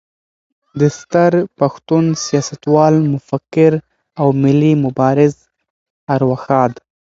د ستر پښتون، سیاستوال، مفکر او ملي مبارز ارواښاد